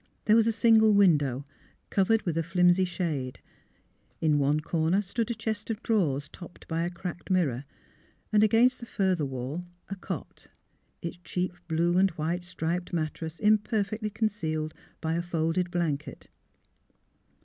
There was a single window, covered with a flimsy shade; in one corner stood a chest of drawers topped by a cracked mirror, and against the further wall a cot, its cheap blue and white striped mattress imperfectly concealed by a folded blan ket.